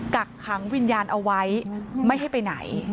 กักขังวิญญาณเอาไว้ไม่ให้ไปไหน